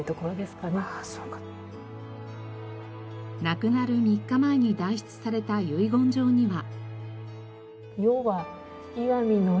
亡くなる３日前に代筆された遺言状には。